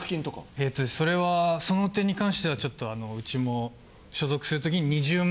えっとそれはその点に関してはちょっとウチも所属するときに。